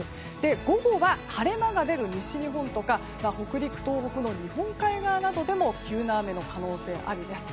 午後は、晴れ間が出る西日本とか北陸、東北の日本海側でも急な雨の可能性ありです。